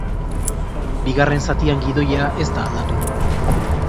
Bigarren zatian gidoia ez da aldatu.